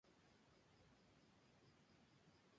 Mario murió en el año de su consulado.